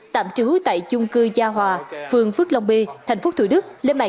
tạm trú tại chung cư gia hòa phương phước long bê thành phố thủ đức